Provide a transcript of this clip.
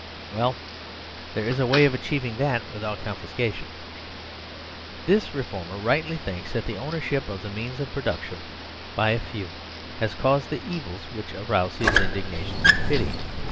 Well, there is a way of achieving that without confiscation. This reformer rightly thinks that the ownership of the means of production by a few has caused the evils which arouse his indignation and pity.